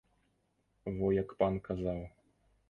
Во як пан казаў.